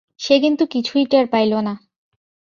সে কিন্তু কিছুই টের পাইল না।